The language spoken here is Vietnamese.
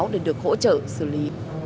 để được hỗ trợ xử lý